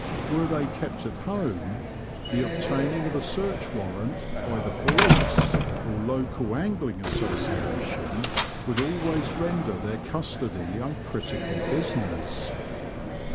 Were they kept at home the obtaining of a search warrant by the police or local H 2 io6 The Confessions of a Poacher, Angling Association would always render their custody a critical business.